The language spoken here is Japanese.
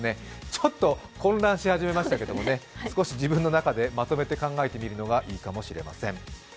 ちょっと混乱し始めましたけど少し自分の中でまとめて考えてみるのがいいかもしれません。